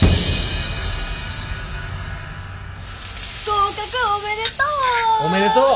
合格おめでとう！